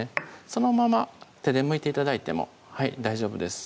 そのまま手でむいて頂いても大丈夫です